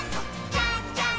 じゃんじゃん！